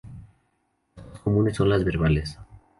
Las más comunes son las verbales.